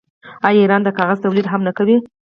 آیا ایران د کاغذ تولید هم نه کوي؟